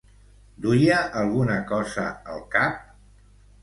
Duia alguna cosa al cap?